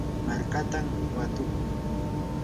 markatam watukuu.